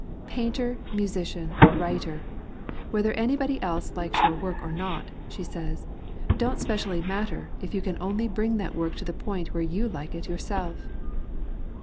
"Painter, musi cian, writer whether anybody else likes your work or not," she says, "doesn't specially matter if you can only bring that work to the point where you like it yourself."